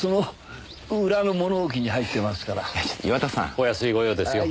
お安い御用ですよ。